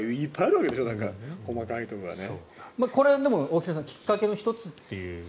これはでも、大平さんきっかけの１つという。